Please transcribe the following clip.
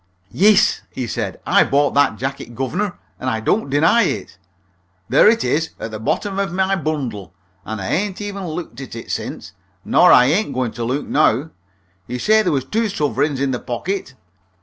"Yes," he said, "I bought that jacket, gov'ner, and I don't deny it. There it is at the bottom of my bundle, and I ain't even looked at it since. Nor I ain't goin' to look now. You say there was two suvreigns in the pocket.